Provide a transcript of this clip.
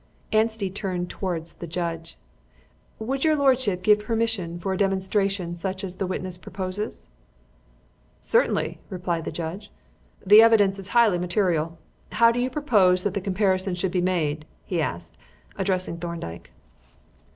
Anstey turned towards the judge. "Would your lordship give your permission for a demonstration such as the witness proposes?" "Certainly," replied the judge. "The evidence is highly material. How do you propose that the comparison should be made?" he added, addressing Thorndyke.